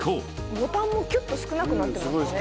ボタンもキュッと少なくなってますね。